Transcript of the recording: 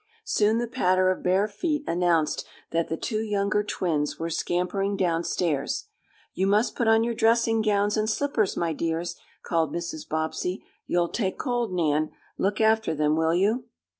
Soon the patter of bare feet announced that the two younger twins were scampering downstairs. "You must put on your dressing gowns and slippers, my dears!" called Mrs. Bobbsey. "You'll take cold. Nan, look after them; will you?"